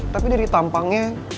tapi dari tampangnya